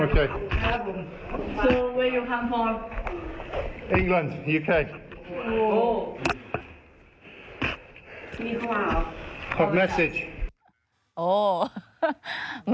เนี่ยนั่นเงียบ